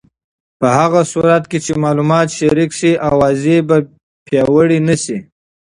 په هغه صورت کې چې معلومات شریک شي، اوازې به پیاوړې نه شي.